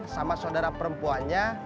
sama sodara perempuannya